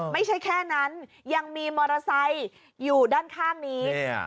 ไม่ใช่แค่นั้นยังมีมอเตอร์ไซค์อยู่ด้านข้างนี้